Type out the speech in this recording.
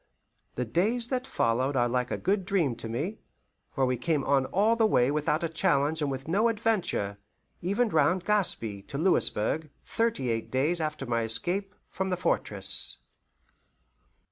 The days that followed are like a good dream to me, for we came on all the way without challenge and with no adventure, even round Gaspe, to Louisburg, thirty eight days after my escape from the fortress.